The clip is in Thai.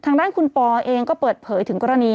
ทางด้านคุณปอเองก็เปิดเผยถึงกรณี